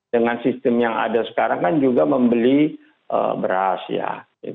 dengan sistem yang ada sekarang kan juga membeli beras ya